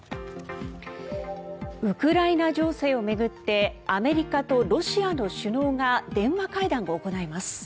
ウクライナ情勢を巡ってアメリカとロシアの首脳が電話会談を行います。